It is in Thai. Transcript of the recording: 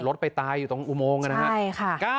รถไปตายอยู่ตรงอุโมงนะครับ